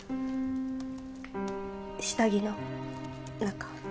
下着の中。